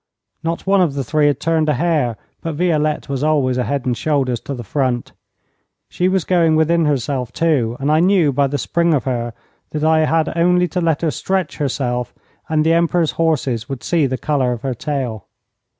Not one of the three had turned a hair, but Violette was always a head and shoulders to the front. She was going within herself too, and I knew by the spring of her that I had only to let her stretch herself, and the Emperor's horses would see the colour of her tail.